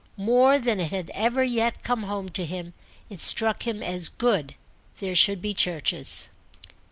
More than it had ever yet come home to him it struck him as good there should be churches.